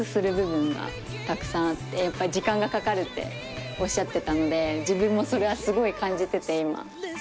やっぱり時間がかかるっておっしゃってたので自分もそれはすごい感じてて今。